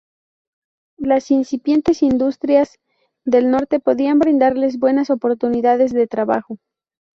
Las incipientes industrias del norte podían brindarles buenas oportunidades de trabajo.